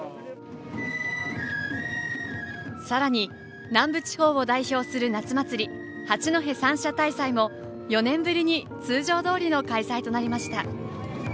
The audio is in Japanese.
さらに、南部地方を代表する夏祭り、八戸三社大祭も４年ぶりに通常通りの開催となりました。